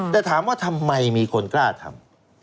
แต่ถามว่าทำไมมีคนกล้าทำ